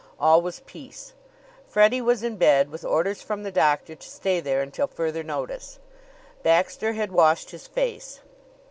All was peace. Freddie was in bed, with orders from the doctor to stay there until further notice. Baxter had washed his face.